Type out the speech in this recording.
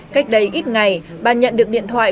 cách đây ít ngày bà nhận được điện thoại